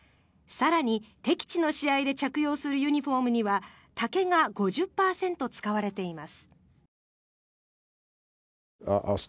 更に、敵地の試合で着用するユニホームには竹が５０％使われています。